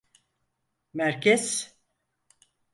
Merkez…